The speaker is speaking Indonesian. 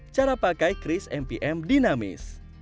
cara pakai cris mpm dinamis